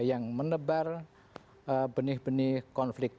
yang menebar benih benih konflik